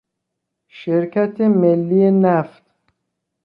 شرکت ملی نفت